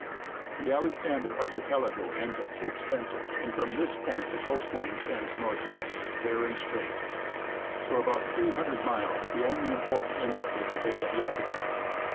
The Alexander Archipelago ends at Cape Spencer, and from this point the coast line trends north west, bare and straight. For about 300 miles the only important inlet is the Bay of Yakutat.